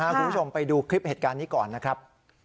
คุณผู้ชมไปดูคลิปเหตุการณ์นี้ก่อนนะครับ